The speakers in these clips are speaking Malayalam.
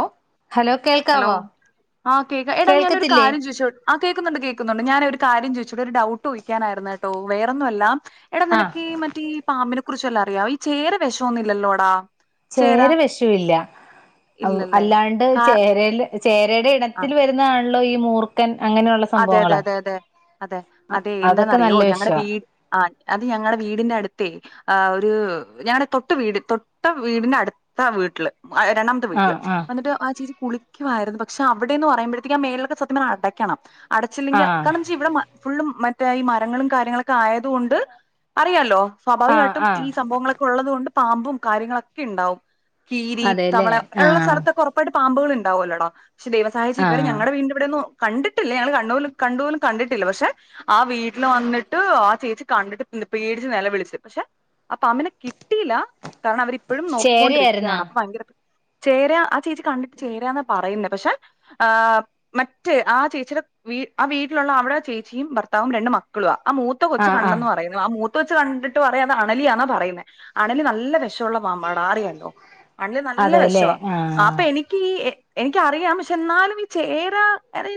ലോ ഹലോ ഹലോ കേൾക്കാവോ ആ കേക്ക ഏടാ ഞാനൊരു കേൾക്കത്തില്ലേ കാര്യം ചോദിച്ചോ ആ കേൾക്കുന്നുണ്ട് കേൾക്കുന്നുണ്ട് ഞാൻ ഒരു കാര്യം ചോദിച്ചിട്ട് ഒരു ഡൗട്ട് ചോയിക്കാനായിരുന്നേ ട്ടോ വേറൊന്നു അല്ല എടാ ആഹ് നിനക്ക് ഈ മറ്റേ പാമ്പിനെ കുറിച്ചല്ലാം അറിയാമോ ഈ ചേര വിഷ ഒന്നും ഇല്ലല്ലോടാ ചേര വെഷ വില്ല ഇല്ലല്ലേ അല്ലാണ്ട് കാ ചേരേൽ ചേരയുടെ ആ ഇണത്തിൽ വരുന്നാ ള്ളോ ഈ മൂർക്കൻ അങ്ങനെയുള്ള അതെ അതെ സംഭവങ്ങള് അതെ അതെ അതെ അതെ അതൊക്കെ എന്താന്നറിയോ നല്ല ഞങ്ങടെ വിഷവാ വീട് ആ അത് ഞങ്ങടെ വീടിന്റെ അടുത്തേ ആ ഒരു ഞാൻ തൊട്ട് വീടി തൊട്ട വീടിന്റെ അടുത്ത വീട്ടില് രണ്ടാമത്തെ വീട്ടില് ആഹ് ആഹ് വന്നിട്ട് ആ ചീ ചി കുളി ക്കുവായിരുന്നു പക്ഷെ അവിടേന്ന് പറയ്മ്പഴ്ത്തേക്ക് ആ മേളിലൊക്കെ സത്യം പറഞ്ഞാ അടക്കണം അടച്ചില്ലെങ്കിൽ ആഹ് കാരണം ച്ചാ ഇവടെ ഫുള്ളും മറ്റേ ഈ മരങ്ങളും കാര്യങ്ങളൊക്കെ ആയത് കൊണ്ട് അറിയാലോ ആഹ് സ്വാഭാവികായിട്ടും ആഹ് ഈ സംഭവങ്ങളൊക്കെ ഉള്ളതുകൊണ്ട് പാമ്പും കാര്യങ്ങളൊക്കെ ഇണ്ടാവും കീരി അതെല്ലേ തവള ഇള്ള ആഹ് സ്ഥലത്ത് ഉറപ്പായിട്ട് പാമ്പുകൾ ഇ ണ്ടാവല്ലൊടാ പക്ഷേ ദൈവം സഹായ്ച്ച് ഇത് വരെ ആഹ് ഞങ്ങടെ വീടിൻ്റെ ഇവിടെന്നും കണ്ട് ട്ടില്ലെ ഞങ്ങള് കണ്ണോലും കണ്ടുപോലും കണ്ടിട്ടില്ല പക്ഷെ ആ വീട്ടിൽ വന്നിട്ട് ആ ചേച്ചി കണ്ടിട്ട് പേടിച്ച് നില വിളിച്ചു പക്ഷെ അപ്പൊ പാമ്പ്നെ കിട്ടിയില്ല കാരണം അവരിപ്പഴും ചേരയായിരുന്നാ നോക്കിക്കൊണ്ടിരിക്കയാണ് അപ്പൊ ഭയങ്കര ചേരാ ആ ചേച്ചി കണ്ടിട്ട് ചേരാന്ന പറയുന്ന പക്ഷെ ആ മറ്റെ ആ ചേ ച്ചിടെ വീ ആ വീട്ടിലുള്ള അവിടെ ചേച്ചിയും ഭർത്താവും രണ്ടു മക്കളു ആ ആ മൂത്ത കൊച്ചു ആഹ് ആഹ് കണ്ടെന്ന് പറയുന്നു ആ മൂ ത്ത കൊച്ച് കണ്ടിട്ട് പറയാ അത് അണലിയാണാ പറയുന്നെ അണലി നല്ല വെഷ ഉള്ള പാമ്പാട അറിയാല്ലോ അണലി നല്ല അതെല്ലേ വിശവാ ആഹ് അപ്പൊ എനിക്ക് ഈ എനിക്കറിയാം പക്ഷെ എന്നാലും ഈ ചേരാ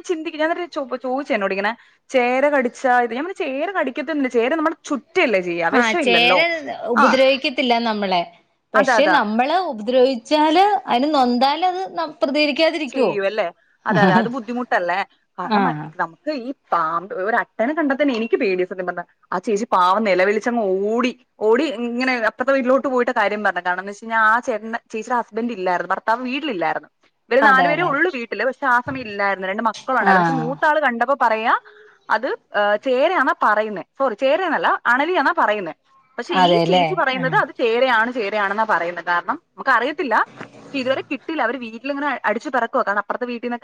ചിന്തിക്ക ഞാനൊരു ച ചോദിച്ചോടിക്കന ചേര കടിച്ചാ ഇത് ഞ ചേര കടിക്കത്തൊന്നില്ല ചേര നമ്മുടെ ചു ആഹ ചേര ഉപദ്രവിക്കത്തില്ല നമ്മളെ അതാ പക്ഷെ അതാ നമ്മള് ഉപദ്രവിച്ചാല് അതിന് നൊ നൊന്ദലത് നമ് ചെയ്യൂ അല്ലേ അതെ അതെ അത് ബുദ്ധിമുട്ടല്ലേ കാരണം ആഹ് നമുക്ക് ഈ- പാമ്പ് ഒരട്ടനെ കണ്ട തന്നെ എനിക്ക് പേടിയ സത്യം പറഞ്ഞാ ആ ചേച്ചി പാവം നിലവിലിച്ചങ് ഓടി ഓടി ഇങ്ങനെ അപ്പറത്തെവീട്ടിലോട്ട് പോയിട്ട് കാര്യം പറഞ്ഞേ കാരണം എന്ന് വെച്ച് ആ ചേട്ട ചേച്ചിയുടെ ഹസ്ബൻറ് ഇല്ലായിരുന്നു ഭർത്താവ് വീട്ടിലില്ലായിരുന്നു- ഇവര് അതെ നാല് അതെ പേരേഒള്ളൂ വീട്ടില് പക്ഷേ ആ സമയം ഇല്ലായിരുന്നു രണ്ട് മക്കളും ഉണ്ടായിരുന്നു പക്ഷെ ആഹ് മൂത്ത ആൾ കണ്ടപ്പോൾ- പറയാ അത് ചേരയാന്ന പറയുന്ന സോറി ചേരന്നല്ല അണലിയാന്നാ പറയുന്നേ- പക്ഷെ ഈ അതെല്ലേ ചീച്ചി പറയുന്നത് ആഹ് അത് ചേരയാണ്- ചേരയാണെന്നാ പറയുന്ന കാരണം- നമുക്ക അറിയത്തില്ല പക്ഷെ ഇതുവരെ കിട്ടില്ല അവര് വീ ടിലിങ്ങനെ - അടിച്ചു പറക്കുവ കാരണം അപ്റത്തെ വീട്ടീന്ന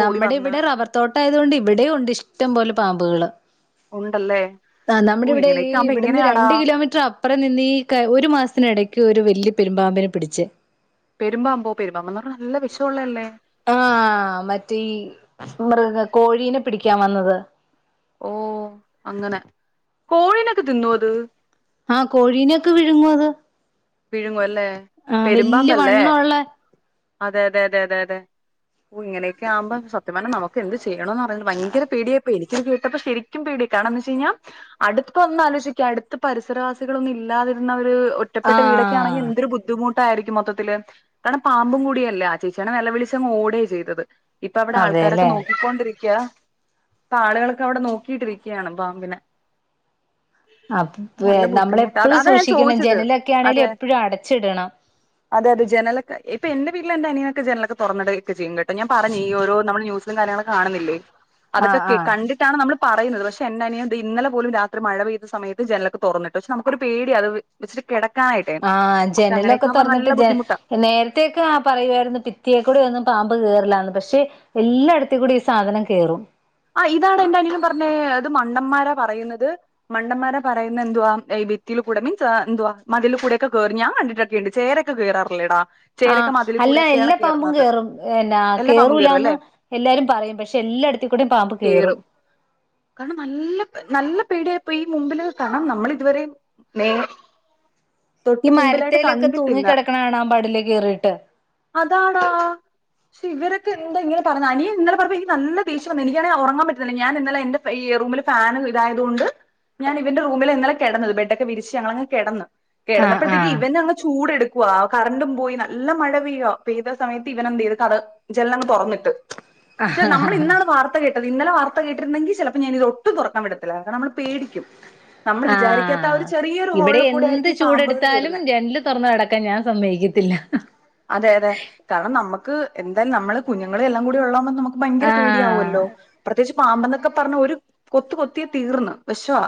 നമ്മുടെ ഇവിടെ റബർ തോട്ടം ആയതുകൊണ്ട് ഇവിടെ ഒണ്ട് ഇഷ്ടംപോലെ പാമ്പുകള്- ഉണ്ടല്ലേ ആ നമ്മുടെ ഓ ഇവിടെ ഈ ഇങ്ങനെയൊക്കെ ആവുമ്പോ ഇവിടുന്ന് എങ്ങനെയാടാ രണ്ട് കിലോമീറ്റർ അപ്പുറം നിന്ന് ഈ ഒരു മാസത്തിടയ്ക്ക് ഒരു വലൃ- പെരുമ്പാമ്പന് പിടിച്ച് പെരുമ്പാമ്പോ പെരുമ്പമ്പ്ന്നാറഞ്ഞ നല്ല വിഷോള്ളതല്ലേ ആ മറ്റേ മൃഗ കോഴീനെ പിടിക്കാൻ വന്നത് ഓ അങ്ങനെ കോഴിനൊക്കെ തിന്നോ അത് ആ കോഴീനൊക്കെ വിഴുങ്ങും അത് വിഴുങ്ങു അല്ലേ ആഹ് വല്യ പെരുമ്പാമ്പല്ലേ വണ്ണമുള്ള അതെ അതെ അതെ അതെ അതെ ഓ ഇങ്ങനെയൊക്കെ ആമ്പോ സത്യ പറഞ നമുക്ക് എന്ത് ചെയ്യണമന്ന് അറിയില്ല ഭയങ്കര പേടിയാപോയി നി കേട്ടപ്പോ ശരിക്കും പേടി കാണംന്ന് വെച്ചഞ്ഞാ അടുത്ത ഒന്ന ആലോചൊ ക്കെ അടുത്ത പരിസരവാസികളൊന്നും ഇല്ലാതിരുന്ന ഒ ഒറ്റപെട്ട വീടൊക്കെ ആണെങ്കി ആഹ് എന്തൊരു ബുദ്ധിമു ട്ടായിരിക്കും മൊത്തത്തിൽ കാരണം പാമ്പും കൂടിയല്ല ആ ചേച്ചിയാണ് നെലവിളിച്ചങ് ഓടിയെ ചെയ്തത് ഇപ്പൊ അവിടെ ആൾക്കാരൊക്കെ അതെല്ലേ നോക്കിക്കോണ്ടിരിക്ക ഇപ്പൊ ആളുകൾക്കെ അവിടെ നോക്കിട്ടിരിക്കയാണ് പാമ്പിനെ അ നല്ല ബുദ്ധിമുട്ടാ നമ്മളെപ്പോഴും അതാ ഞാൻ സൂക്ഷിക്കണം ചോദിച്ചത് ജനല അതെ കാണെലും എപ്ഴും അടച്ചിടണം അതെ അത ജനലെ ഇപ്പ എന്റെ വീട്ടിൽ ന്റെ അനിയനോക്കെ ജനലൊക്കെ തുറന്നടുകയക്കെ ചെയ്യും കേട്ടോ ഞാൻ പറഞ്ഞു ഓരോ നമ്മ ന്യൂസ്‌ കാര്യങ്ങളൊക്കെ കാണില്ലേ ആഹ് അതൊക്കെ ആഹ് കണ്ടിട്ടാണ് നമ്മൾ പറയുന്നത് പക്ഷെ എന്റെ അനിയൻ ഇന്നലെ പോലും രാത്രി മഴ പെയത സമയത്ത് ജനലൊക്കെ തോറന്നിട്ടു പക്ഷെ നമുക്കൊരു പേടി അത് [unintelligible] [unintelligible] ആഹ പക്ഷെ അങ്ങനെയൊക്കെ ജനലൊക്കെ ആവുമ്പോ തുറന്നിട്ട് നല്ല ജ ബുദ്ധിമുട്ടാ നേരത്തോക്കെ ആ പറയുവായിരുന്നു പിത്തിയെക്കൂടെ ഒന്ന് പാമ്പ കേറന്ന് പക്ഷെ എല്ലായിടത്ത കൂടി ഈ സാധനം കേറും ആ ഇതാണ് എന്റെ അനിയനും പറഞ്ഞെ അത് മണ്ടന്മാരെ പറയുന്നത് മണ്ടന്മാരെ പറയുന്ന എന്തുവാ വിത്തിൽ കൂടെ മീൻസ് എന്തുവാ മതിലൽ കൂടൊക്കെ കയറി ഞാൻ കണ്ടിട്ടൊക്കെയുണ്ട് ചേരൊക്കെ കേയറാറില്ലേടാ ആ് അല്ല എല്ലാ പാമ്പും കേറും എന്നാ എല്ലാ പാമ്പും കേറും കേറൂലന്ന് അല്ലേ എല്ലാരും പറയും പക്ഷെ എല്ലാടത്ത കേറും കാരണം നല്ല നല്ല പടെപ്പോ ഈ മുമ്പിൽ കാരണം നമ്മൾ ഇതുവരെ നേ തൊട്ട് ഈ മുമ്പിലായിട്ട് മരത്തയിലൊക്കെ തൂങ്ങി കണ്ടിട്ടില്ല കിടക്കണ കാണമ്പാടിലേ കയറിട്ട് അതാടാ പക്ഷെ ഇവരൊക്കെ എന്താങ്ങനെ പറഞ്ഞ അനിയ ഇന്നലെ പറഞ്ഞ ഈ നല്ല ദേ എനികറിയ ഉറങ്ങാൻ പറ്റുന്നില്ല ഞാൻ ഇന്നെ എന്റെ ഈറൂമിൽ ഫാൻ ഇതായത കൊണ്ട് ഞാൻ ഇവന്റെറൂമിൽ ഇന്നലെ കിടത് ബെഡൊക്കെ വിരി ഞങ്ങലങ്ങു കിടന്ന് ആഹ് കേടന്നപ്പോഴത്തേക്ക് ആഹ് ഇവൻ അങ്ങ് ചൂട് എടുക് കുവ കറണ്ടും പോയി നല്ല മഴ പെയ്യുക പെയ്ത സമയത്ത് ഇവന എന്ത ചെയെയ്തു കട ജനലങ്ങ് തുറന്നിട്ട് ആ ആ കേ ഇന്നല വാർത്ത കേട്ടിരുന്നെങ്കിൽ ചിലപ്പോ ഞാാന ഇത് ഒട്ടും തുറക്കൻ വിടത്തില്ല കാരണം നമ്മൾ പടിക്കും ആഹ ഇവിടെ ഹോളിൽ കൂടെ എന്ത് ആയിരിക്കും ഈ പാമ്പുകൾ ചൂടെടുത്താലും കേറുന്നെ ജന്ല് തുറന്ന് കടക്കാൻ ഞാൻ സമ്മയിക്കത്തില്ല ക്ക്‌ എന്താലും നമ്മള് കുഞ്ഞങ്ങളെല്ലാം കൂടി ഉള്ളാ നമു ഭയങ്കര പേ ല്ലോ ആഹ് പ്രത്യേകി പാമ്പ എന്നൊക്കെ പറഞ്ഞ ഒരു കൊത്ത കൊത്തിയ തീർന്ന് വിഷവാ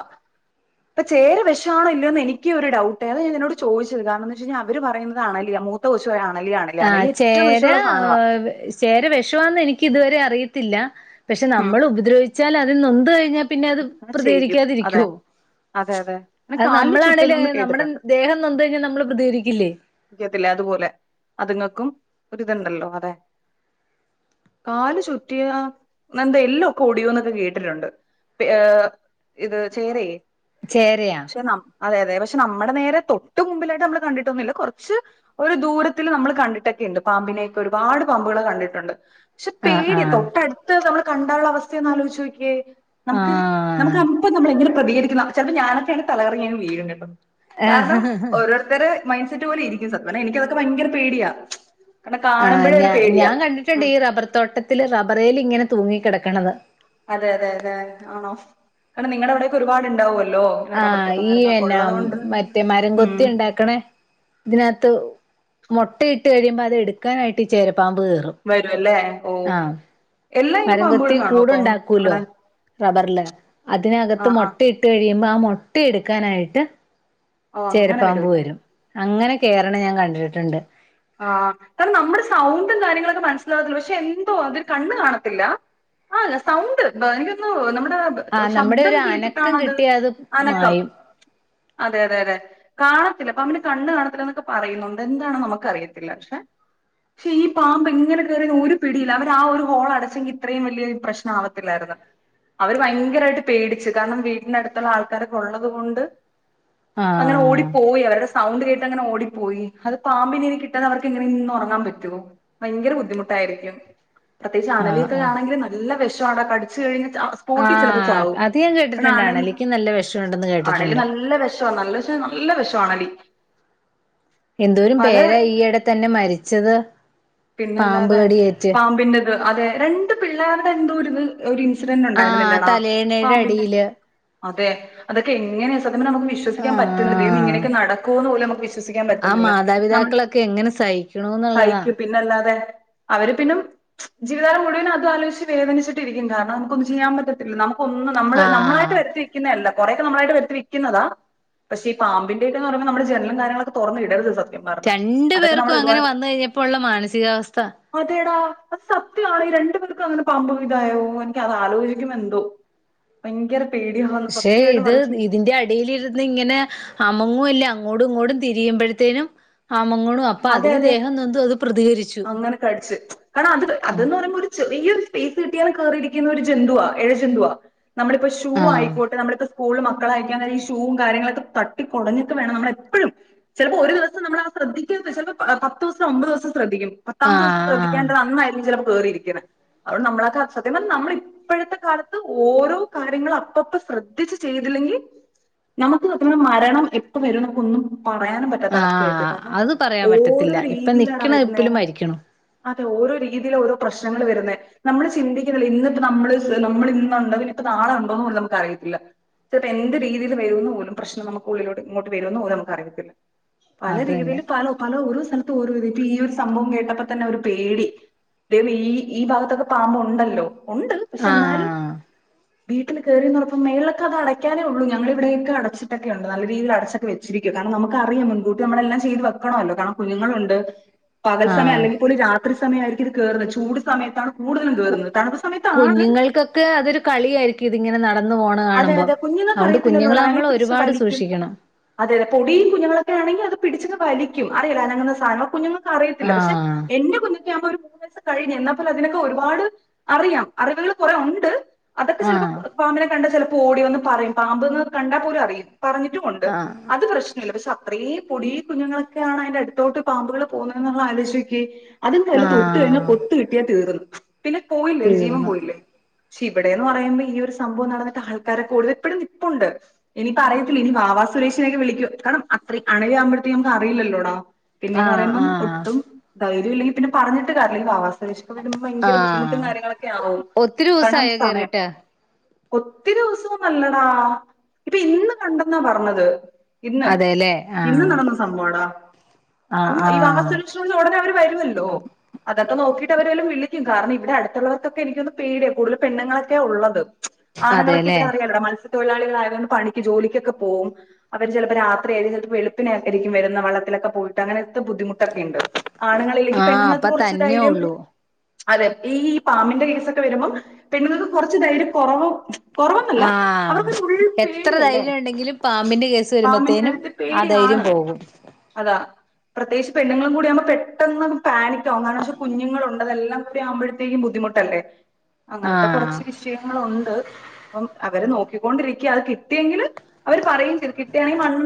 അപ്പൊ ചേര വിഷമാണോ ഇല്ലോ എന്ന് എനിക്ക് ഒരു ഡൗട്ട് ഏതാ ഞാൻ എന്നോട് ചോദിച്ചത് കാരണം എന്താ വെച്ച് കഴിഞ്ഞാൽ അവര് പറയതണല്ല മൂത്ത കൊച്ചുുവരോ ആ ചേരാ ചേര വിഷമാന്ന് എനിക്ക് ഇതുവരെ അറയി ത്തില്ല പക്ഷെ ഉം നമ്മൾ ഉപദ്രവിച്ച വച്ചാൽ അതി നിൊന്ന കഴഞ്ഞാൽ പിന്നെ അത് അങ്ങനെ ചെയ്യും അതെ പ്രതികരിക്കാതിരിക്കുവോ അതെ അതെ അങ്ങനെ അത് കാലില് നമ്മളാണെേലും ചുറ്റുന്നെന്ന് നമ്മുടെ കേട്ടിട്ടുണ്ട് ദേഹം നൊന്ന കഴിഞ്ഞാൽ നമ്മള് പ്രതികരിക്കില്ലേ എനിക്കറിയത്തില്ല അതുപോലെ അതുങ്ങൾക്കും ഒരിതുണ്ടല്ലോ അതെ കാല് ചുറ്റിയ എന്താ എല്ലോഓടിയോന്നൊക്കെ കേട്ടിട്ടുണ്ട് ഹേ ഇത് ചേരയെ ചേരയാ പക്ഷെ അതെ അതെ പക്ഷെ നമ്മുടെ നേരെ തൊട്ട് മുമ്പിലായിട്ട് നമ്മള് കണ്ടിട്ടൊന്നുമില്ല കുറച്ച് ഒരു ദൂരത്തിൽ നമ്മൾ കണ്ടിട്ടൊക്കെയുണ്ട് പാമ്പിനെയൊക്കെ ഒരുപാട് പാമ്പുകൾ കണ്ടിട്ടുണ്ട് പക്ഷെ ആഹ് പേടിയ ആഹ് തൊട്ടടുത്ത് നമ്മള് കണ്ട ഉുള്ള അവസ്ഥയന്ന് ആലോചുോക്കേ നമുക്ക് നമുക്ക് ആഹ് അപ്പ നമ്മള എങ്ങനെ പ്രതികരിക്ക ചിലപ്പോ ഞാനൊക്കെയാണ് തലറങ്ങ വീും കിട്ടത് കാരണം ഓരോരുത്തർ മൈൻഡ് സെറ്റ് പോലെ ഇരിക്കും ന എനിിക്കതൊക്കെ ഭയങ്കര പേടിയാ കാരണം ആ് കാണുമ്പോഴേ ഞാ ഒരു പേടിയാ ഞാൻ കണ്ടിട്ടുണ്ട് ഈ റബ്ബർ തോട്ടത്തില്ൽ റബ്ബറേൽ ഇങ്ങനെ തൂങ്ങി കിടക്കണത് അതെ അതെ അതെ ആണോ കാരണം നിങ്ങടെ അവിടെക്കെ ഒരുപാട് ഉണ്ടാവുമല്ലോ ആ ഈ എന്നാ മറ്റേ മരം ഉം കൊത്തി ഉണ്ടാക്കണേ ഇതിനാത്ത് - മുട്ടയിട്ട് കഴിയുമ്പോ അത് എടുക്കാനായിട്ട് ചേര- വരുംല്ലേ ഓ എല്ലാ ഇനം മരം കൊത്തി പാമ്പുകളും കാണുവോ അപ്പം കൂടുണ്ടാക്കൂലോ അവിടെ റബ്ബറില് ആ അതിനകത്ത് ആ മൊട്ടയിട്ട് കഴിയുമ്പോ ആ മോ - മുട്ട എടുക്കാനായിട്ട്- ഓ അങ്ങനെ ചേരപ്പാമ്പ് അല്ലേ വരും അങ്ങനെ- കേറണെ ഞാൻ കണ്ടിട്ടുണ്ട് ആ നമ്മുടെ സൗണ്ടും കാര്യങ്ങളൊക്കെ മനസ്സിലാകത്തില്ല പക്ഷെ എന്തോ അതൊ കണ്ണ് കാണത്തില്ല ആ സൗണ്ട് എനിക്ക് തോനുന്നു നമ്മള് - ആ നമ്മുടെ ഒരു അനക്കം കിട്ടിയ അത് അനക്കം മായും അതെ അതെ അതെ കാണത്തില്ല അപ്പൊ അവന് കണ്ണ് കാണത്തി എന്നൊക്കെ പറയുന്നുണ്ട് എന്താണ് നമുക്ക്- അറിയത്തില്ല പക്ഷെ പക്ഷെ ഈ പാമ്പ് ഇങ്ങനെ കയറിയ ഒരു പിടിയിയില് അവർ ആ ഒരു ഹോൾ അടച്ചെങ്കിൽ ഇത്രയും വലിയ പ്രശ്നം ആവത്തില്ലായിരുന്നു അവര് ഭയങ്കരമായിട്ട് പേടിച്ചു കാരണം വീട്ടന്റെ അടുത്തുള്ള ആൾക്കാരൊക്കെ ഉള്ളത് കൊണ്ട് അങ്ങനെ ആഹ് ഓടിപ്പോയി അവരുടെ- സൗണ്ട് കേട്ട് അങ്ങനെ ഓടിപ്പോയി അത് പാമ്പിനിനി കിട്ടാതെ അവർക്ക് എങ്ങനെ ഇന്ന് ഉറങ്ങാൻ പറ്റോ ഭയങ്കര ബുദ്ധിമുട്ടായിരിക്കും. പ്രത്യേച്ച് ആഹ് ആണലിക്കെ ആഹ് ആണെങ്കില് നല്ല വെഷ ഷണ് കടിച്ചു കഴിഞ് സ്പോട്ടി ചിലപ്പോ ആഹ് ചാവും അത് ഞാൻ പിന്നെ കേട്ടിട്ടുണ്ട് അണലി അണലിക്ക് നല്ല വിഷമുണ്ടെന്ന് അണലി കേട്ടിട്ടുണ്ട് നല്ല വെഷാ നല്ല വെഷാന്ന നല്ല വെഷാ തൊണലി എന്തോരം പേരായി ഈയടെ തന്നെ മരിച്ചത് പാമ്പ് പിന്നല്ലാതെ കടിയേറ്റ് പാമ്പിന്റെ അതെ രണ്ട് പിള്ളേര്ടെ എന്തോരിത് ഒര് ഇൻസി ആ തലേണടെ അടിയില് അതെ അതൊക്കെ എങ്ങനെ സത്യം പറഞ്ഞ നമുക്ക് വിശ്വസിക്കാൻ പറ്റുണില്ല ദൈവമേ ആഹ് ഇങ്ങനെക്കെ നടക്കോന്ന് പോലും നമ്മ ആ മാതാപിതാക്കളൊക്കെ എങ്ങനെ സഹികുണൂ ന്നുള്ളതാ അല്ലാതെ അവര് പിന്നും ജീവിതകാലം മുഴുവനും അത് ആലോചിച്ച് വേദനിച്ചിട്ടിരിക്കും കാരണം നമുക്കൊന്നും ചെയ്യാൻ പറ്റത്തില്ല നമു ഒന്ന് നമ്മള് നമ്മളായിട്ട് ആഹ് വരുത്തിക്കുന്നല്ല. കൊറെക്കെ നമ്മളായിട്ട് വരുത്തി വെക്കുന്നതാ പക്ഷെ ഈ പാമ്പിന്റെക്കെന്ന് പറയ്മ്പോ നമ്മള് ജനലും കാര്യങ്ങളൊക്കെ തൊറന്ന് ഇടരുത് സ രണ്ട് പേർക്കും അങ്ങനെ വന്ന് കഴിഞ്ഞപ്പൊ ഉള്ള മാനസികാവസ്ഥ അതേടാ അത് സത്യാണ് ഈ രണ്ടു പേർക്കും അങ്ങനെ പാമ്പ് ഇതായോ എനിക്ക് അത് ആലോചിക്കും എന്തോ ഭയങ്കര പേടിയാവുന്നു പക്ഷെ സത്യമായിട്ടും ഇത് പറ അതെ ഇതിന്റെ അടീൽരുന്ന് ഇങ്ങനെ അമങ്ങുവല്ല അങ്ങോടും ഇങ്ങോട്ടും തിരിയ്ബോഴത്തേനും ആ അതെ അതെ പ്രതികരിച്ചു അങ്ങനെ കടിച്ച് കാരണം അത് ആഹ് അതന്ന് പറയുമ്പോ ഒരു ചെറിയരു സ്പേസ് കിട്ടിയാൽ കേറിയിടരിക്കുന്ന ഒരു ജന്തുവാ എഴ ജന്തുവാ നമ്മളിപ്പൊ ഷൂ ആഹ് ആയിക്കോട്ടെ നമ്മളിപ്പോ സ്കൂള്ൽ മക്കളെ അയക്കാൻ നേരം ഈ ഷൂവും കാര്യങ്ങളൊക്കെ തട്ടി കുടഞ്ഞിട്ട് വേണം നമ്മളപ്പോഴും ചിലപ്പോ ഒരു ദിവസം നമ്മൾ ആത് ശ്രദ്ധി ചെലപ്പോ പത്ത് ദിവസം ഒമ്പത് ദിവസം ശ്രദ്ധിക്കും പത്താമത്തെ ദിവസം ആഹ് ശ്രദ്ധിക്കാണ്ടേ അന്നായിരിക്കും ചിലപ്പൊ കേറിയിരിക്ക്ണേ അതുകൊണ്ട് നമ്മളക്കെ സത്യം പറഞ്ഞാ നമ്മൾ ഇപ്പോഴത്തെ കാലത്ത് ഓരോ കാര്യങ്ങളും അപ്പപ്പ ശ്രദ്ധിച്ച് ചെയ്തില്ലെങ്കിൽ നമുക്ക് സത്യപറഞ്ഞ മരണം എപ്പ വരുംന്ന് നമുക്ക് ഒന്നും പറയാനും പറ്റാത്ത അവസ്ഥയായി പോയി ആഹ് കാരണം അത് പറയാൻ ഓരോ പറ്റത്തില്ല ഇപ്പൊ നിക്കണ നിപ്പിലും മരിക്ക്ണു. ത്തെ ഓരോ രീതിയില് ഓരോ പ്രശ്നങ്ങൾ വരുന്നേ നമ്മള് ചിന്തിക്കുന്നില്ല ഇന്നിപ്പോ നമ്മള് നമ്മൾ ഇന്നുണ്ടോ ഇപ്പോം നാളെ ഉണ്ടോന്ന് പോലും നമുക്ക് അറിയത്തില്ല ചിലപ്പോ എന്ത് രീതിയിൽ വരൂന്ന് പോലും പ്രശ്നം നമുക്ക് ഉള്ളിലോട്ട് ഇങ്ങോട്ട് വരുമെന്ന് പോലും നമുക്ക് അറിയത്തില്ല. പല അത് തന്നെ രീതിയിൽ പല പല ഓരോ സ്ഥത്തും ഓരോ ഇ ഇപ്പൊ ഈ ഒരു സംഭവം കേട്ടപ്പോ തന്നെ ഒരു പേടി ദേ ഈ ഈ ഭാഗത്തൊക്കെ പാമ്പ്ണ്ടല്ലോ ഉണ്ട് പക്ഷെ എന്നാലും ആഹ് വീട്ടിൽ കേറീന്നറഞ്ഞപ്പം മേഴിലൊക്കെ അടക്കാനേള്ളൂ ഞങ്ങളിവിടെക്ക അടച്ചിട്ടൊക്ക ഒണ്ട് നല്ല രീതിൽ അടച്ചൊക്കെവെച്ചിരിക്കും കാരണം നമുക്ക് അറിയു മുൻകൂട്ടി നമ്മെല്ലാം ചെയ്ത് വെ ക്കണല്ലോ കാരണം കുഞ്ഞുങ്ങളുണ്ട് പകൽ സമയം ആഹ് അല്ലെങ്കിൽ കൂടി രാത്രി സമയയിരി ത് കേറുന്നത് ചൂട് സമയത്താണ് കൂടുതലും കയറുന്നത് തണുപ്പ് സമയത്താണ് കുഞ്ഞുങ്ങൾക്കൊക്കെ അതൊരു കളിയാരിക്കും ഇതിങ്ങനെ നട അതെ അതെ കുഞ്ഞങ്ങൊക്കെ അറിയത്തില്ലല്ലോടാ അതിനെ നമ്മൾ പിടിച്ച് ഒരുപാട് വലിക്കും സൂക്ഷിക്കണം അതെ അതെ പൊടിയും കുഞ്ഞുങ്ങളൊക്കെ ആണെങ്കി അത് പിടിച്ചങ് വലിക്കും അറയില്ല അനങ്ങ്ന്ന സാനം കുഞ്ഞുങ്ങ അറിയത്തില്ല പക്ഷെ ആഹ് എന്റെ കുഞ്ഞീനെയാമ്പോ ഒരു കൂ കഴിഞ്ഞു എന്നാപ്പല അതിനൊക്കെ ഒരുപാട് അറിയാം അറിവുകൾ കുറെ ഒണ്ട് ആ കണ്ട ചിലപ്പോ ഓടി വന്ന് പറയും പാമ്പ്ന്ന് കണ്ടാ പോലും അറിയും പറഞ്ഞിട്ടും ഒണ്ട് ആഹ് അത് പ്രശ്നമില്ല പ അത്രേം പൊടി കുഞ്ഞുങ്ങളൊക്കെയാണ് അതിന്റെ അടുത്തോട്ട് പാമ്പുകള് പോകുന്നത് എന്നുള്ള ആലോചിച്ച് നോക്കിക്കെ അതും [unintelligible] തൊട്ടു കഴിഞ്ഞ ആഹ് കൊത്തു കിട്ടിയാ തീർന്ന് പിന്നെ പോയില്ലേ ഒരു ജീവൻ തീർന്ന് പോയില്ലേ പക്ഷെ ഇവിടെ എന്ന് പറയുമ്പോ ഈ ഒരു സം ബവം നടന്നിട്ട് ആൾക്കാരെ കൂടുതൽ ഇപ്പഴും നിപ്പുണ്ട് ഇനിപ്പ അറയത്തില്ല ഇനി വാവാ സുരേഷിനെൊക്കെ വിളിക്കും കാരണം അത്ര അണലിയാവുമ്പഴ്ത്തേക്ക് നമുക്ക് അറിയില്ലല്ലോടാ പിന്നെന്ന് ആഹ് പറയുമ്പം ആഹ് ഒട്ടും ദ ഇല്ലങ്കിൽ പിന്നെ പറഞ്ഞി്ട് അല്ലങ്കിൽ ആവാസരേഷിക്ക വരുമ്പോ ഭയങ്കര ബുദ്ധിമുട്ടും ആഹ് കാര്യങ്ങളൊക്കെ ആകവും ഒത്തിരി കാരണം ദിവസായോ സമയം കേറിട്ട് ഒത്തിരി ദിവസം നല്ലടാ ഇപ്പൊ ഇന്ന് കണ്ടെന്നാ പറഞ്ഞത് ഇന്ന് അതെല്ലേ ഇന്ന് ആഹ് നടന്ന സംഭവം അടാ ആഹ് ഈ ആഹ് വാസവിശ്രമിച്ച ഉടനെ അവര് വരുമല്ലോ അതൊക്കെ നോക്കിട്ട് അവരെല്ലാം വി ും കാരണം ഇവിടെ അടുത്തുള്ളവർക്കൊക്കെ എനിക്കൊന്ന് പേടിയ കൂടുതൽ പെണ്ണങ്ങളൊക്കെ ഉള്ളത് ആണുൊക്കെ അതെല്ലേ ഇവരെ അിയാംോ മത്സം തൊഴിലാളികള ആയത കൊണ്ട് പണക്ക് ജോലിക്കൊക്കെ പോവുംും അവര് ചിലപ്പോ രാത്രിയ ചിലപ്പോ വളുപ്പിനക്കെരിക്കും വരുന്ന വള്ളത്തിലൊക്കെ പോയിട്ട് അങ്ങനെ ത്തെ ബുദ്ധിമുട്ടൊക്കെ ഉണ്ട് ആണുങ്ങൾ അല്ലെങ്കിൽ ആഹ് പെണ്ണുങ്ങൾക്ക് അപ്പൊ കുറച്ച് തന്നെയേ ധൈര്യം ഉള്ളൂ അതെ ഈഈ പാമ്പിന്റെ കേസൊക്കെ വരുമ്പോ പെണ്ണുങ്ങൾക്ക് കുറച്ച് തൈം കുറവ് കുറവെന്നല്ല ആഹ അവർക്കൊരു ഉള്ളിൽ എത്ര പേടിയല്ലേ ധൈര്യം ഉണ്ടെങ്കിലും പാമ്പിന്റെ കേസ് പാമ്പിന്റെ വരുമ്പോത്തേനും കാര്യത്തിൽ ആ ധൈര്യം പേടിയാണ് പോകും അതാ പ്രത്യേകിച്ച് പെണ്ണും കൂടിിയുമ്പ പെട്ടെന്ന് പാനിക്കാവുന്നതാണ് പക്ഷെ കുഞ്ഞുങ്ങളുണ്ടതെല്ലാം അടെ ആുമ്പഴത്തേക്കും ബുദ്ധിമുട്ടല്ലേ അങ്ങനത്തെ ആഹ് കുറച്ച് വിഷയങ്ങളുണ്ട് അപ്പം അവര് നോക്കിക്കൊണ്ടിരിക്ക അത് കിട്ടിയെങ്കില് അവര് പറയും ചെയ്തു കിട്ടിയണെങ്കിൽ മണ്ണ്